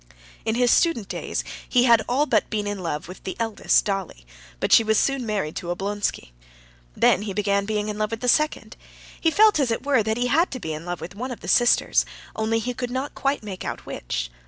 In his student days he had all but been in love with the eldest, Dolly, but she was soon married to Oblonsky. Then he began being in love with the second. He felt, as it were, that he had to be in love with one of the sisters, only he could not quite make out which.